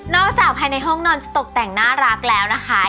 จากภายในห้องนอนจะตกแต่งน่ารักแล้วนะคะ